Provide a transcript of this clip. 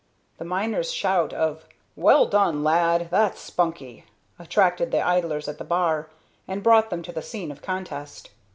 The miner's shout of "Well done, lad! That's spunky," attracted the idlers at the bar and brought them to the scene of contest.